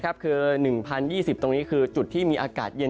คือ๑๐๒๐ตรงนี้คือจุดที่มีอากาศเย็น